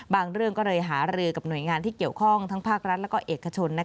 เรื่องก็เลยหารือกับหน่วยงานที่เกี่ยวข้องทั้งภาครัฐและเอกชน